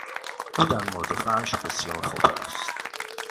او در مورد فرش بسیار خبره است.